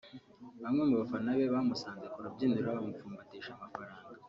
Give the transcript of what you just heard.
Bamwe mu bafana be bamusanze ku rubyiniro bamupfumbatisha amafaranga